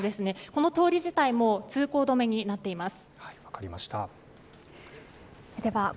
この通り自体も通行止めになっています。